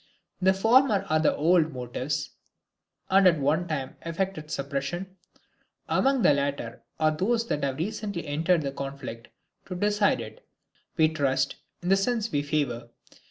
The former are the old motives that at one time effected suppression; among the latter are those that have recently entered the conflict, to decide it, we trust, in the sense we favor.